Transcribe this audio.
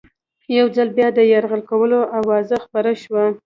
یو ځل بیا د یرغل کولو آوازه خپره شوه.